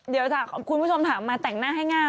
เดี๋ยวคุณผู้ชมถามมาแต่งหน้าให้ง่าย